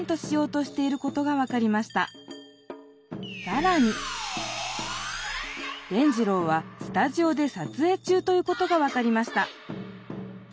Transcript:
さらに伝じろうはスタジオでさつえい中ということが分かりました